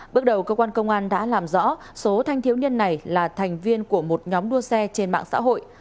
bước đầu cơ quan công an đã làm rõ số thanh thiếu niên này là thành viên của một nhóm đua xe trên mạng xã hội